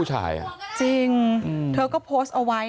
ตังค์อะไรอีก